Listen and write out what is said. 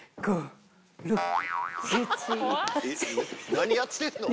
何やってんの？